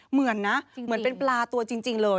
เหมือนนะเหมือนเป็นปลาตัวจริงเลย